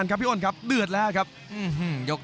รับทราบบรรดาศักดิ์